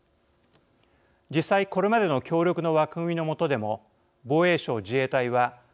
実際これまでの協力の枠組みのもとでも防衛省自衛隊はＮＡＴＯ